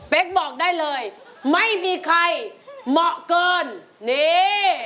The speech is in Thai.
เป็นบอกได้เลยไม่มีใครเหมาะเกินนี่